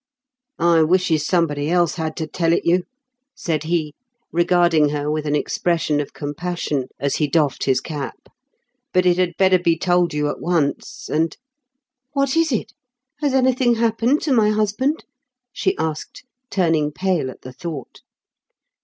"I wishes somebody else had to tell it you," said he, regarding her with an ex pression of compassion, as he doffed his. cap, "but it had better be told you at once, and "" What is it ? Has anything happened to my husband ?" she asked, turning pale at the thought.